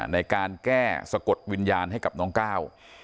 ในการแก้สะกดวิญญาณให้กับน้องก้าว